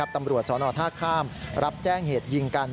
ตำรวจสนท่าข้ามรับแจ้งเหตุยิงกัน